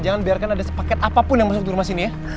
jangan biarkan ada paket apapun yang masuk di rumah sini ya